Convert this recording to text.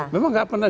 memang gak pernah